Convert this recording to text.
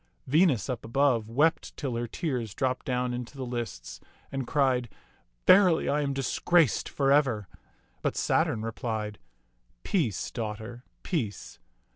Venus, up above, wept till her tears dropped down into the lists, and cried, " Verily, I am disgraced for ever"; but Saturn replied, "Peace, daughter, peace.